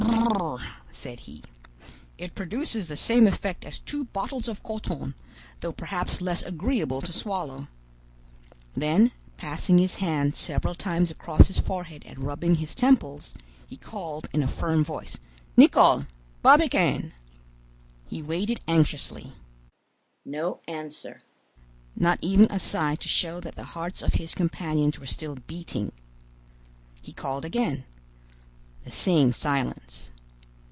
"Bur r!" said he. "It produces the same effect as two bottles of Corton, though perhaps less agreeable to swallow." Then, passing his hand several times across his forehead and rubbing his temples, he called in a firm voice: "Nicholl! Barbicane!" He waited anxiously. No answer; not even a sigh to show that the hearts of his companions were still beating. He called again. The same silence.